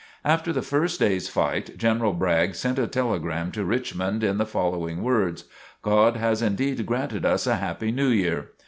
After the first day's fight, General Bragg sent a telegram to Richmond in the following words: "God has indeed granted us a happy New Year."